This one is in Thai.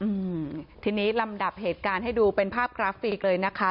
อืมทีนี้ลำดับเหตุการณ์ให้ดูเป็นภาพกราฟิกเลยนะคะ